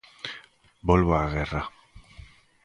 Volvo á guerra.